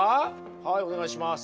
はいお願いします。